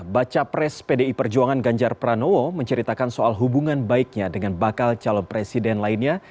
baca pres pdi perjuangan ganjar pranowo menceritakan soal hubungan baiknya dengan bakal calon presiden lainnya